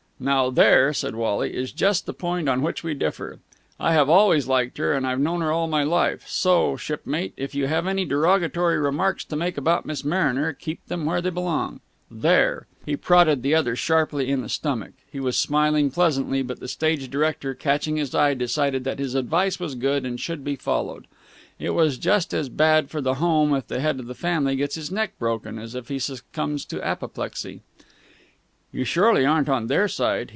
"Now there," said Wally, "is just the point on which we differ. I have always liked her, and I've known her all my life. So, shipmate, if you have any derogatory remarks to make about Miss Mariner, keep them where they belong there!" He prodded the other sharply in the stomach. He was smiling pleasantly, but the stage director, catching his eye, decided that his advice was good and should be followed. It is just as bad for the home if the head of the family gets his neck broken as if he succumbs to apoplexy. "You surely aren't on their side?"